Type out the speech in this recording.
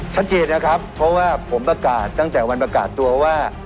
ชัดเจนนะครับเพราะว่าผมประกาศตั้งแต่วันประกาศตัวว่า